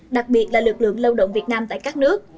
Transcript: đặc biệt là lực lượng lao động việt nam tại các nước